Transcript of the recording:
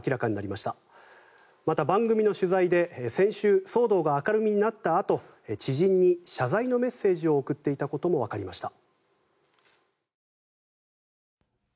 また、番組の取材で先週、騒動が明るみになったあと知人に謝罪のメッセージを送っていたこともわかりました。